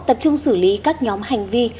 tập trung xử lý các nhóm hành vi